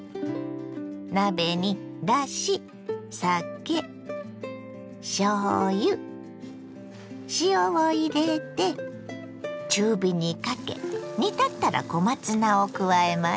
鍋にだし酒しょうゆ塩を入れて中火にかけ煮立ったら小松菜を加えます。